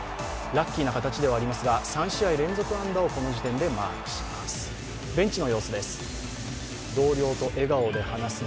ラッキーな形ではありますが３試合連続安打をマークします。